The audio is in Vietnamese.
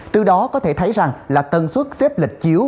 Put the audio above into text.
từ đó có thể thấy rằng là tần suất xếp lịch chiếu